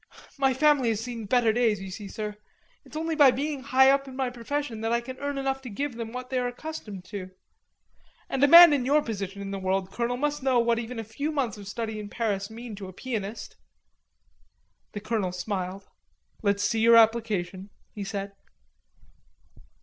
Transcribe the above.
My family has seen better days, you see, sir. It's only by being high up in my profession that I can earn enough to give them what they are accustomed to. And a man in your position in the world, Colonel, must know what even a few months of study in Paris mean to a pianist." The colonel smiled. "Let's see your application," he said.